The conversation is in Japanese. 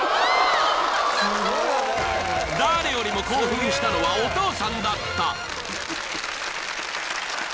［誰よりも興奮したのはお父さんだった］